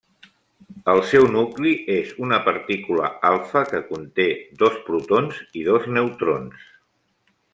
El seu nucli és una partícula alfa, que conté dos protons i dos neutrons.